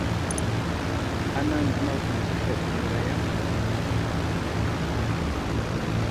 Anaŋ gənaw ɗi tsəhed təŋgəraya ma awak.